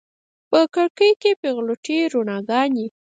په کړکیو کې پیغلوټې روڼاګانې